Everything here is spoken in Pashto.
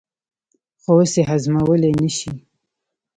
خو اوس یې هضمولای نه شي.